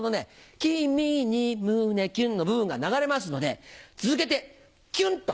君に胸キュンの部分が流れますので続けて「キュン！」と。